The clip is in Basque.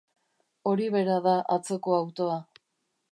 Hori bera da atzoko autoa.